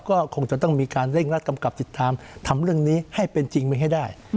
ก็คงจะต้องมีการเร่งรัดกำกับติดตามทำเรื่องนี้ให้เป็นจริงไปให้ได้